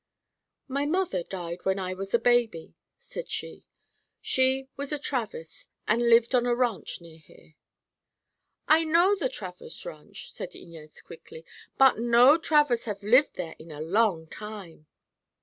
"My mother died when I was a baby," said she. "She was a Travers and lived on a ranch near here." "I know the Travers Ranch," said Inez quickly. "But no Travers have live there in a long time."